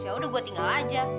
yaudah gua tinggal aja